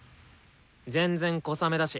全然小雨だし。